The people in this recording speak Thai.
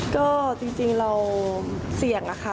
ก็จริงเราเสี่ยงอะค่ะ